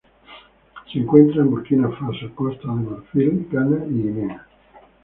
Se encuentra en Burkina Faso, Costa de Marfil, Ghana y Guinea.